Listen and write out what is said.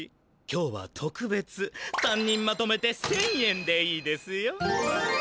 今日はとくべつ３人まとめて１，０００円でいいですよ。